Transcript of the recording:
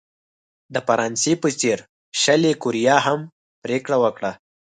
د فرانسې په څېر شلي کوریا هم پرېکړه وکړه.